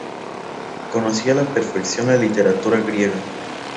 Conocía a la perfección la literatura griega.